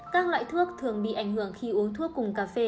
các loại thuốc thường bị ảnh hưởng khi uống thuốc cùng cà phê